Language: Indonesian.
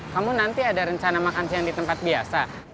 kamu nanti ada rencana makan siang di tempat biasa